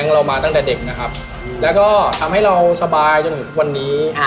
ประมาณก็ไม่เกินสองปี